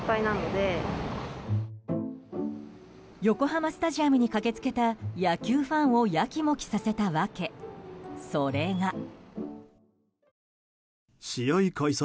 横浜スタジアムに駆け付けた野球ファンをやきもきさせた訳それが。